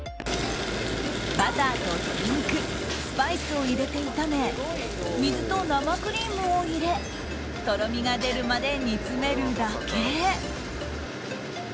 バターと鶏肉スパイスを入れて炒め水と生クリームを入れとろみが出るまで煮詰めるだけ。